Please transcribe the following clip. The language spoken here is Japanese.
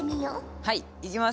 はいいきます。